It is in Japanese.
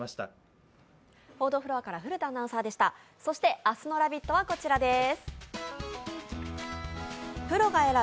そして明日の「ラヴィット！」はこちらです。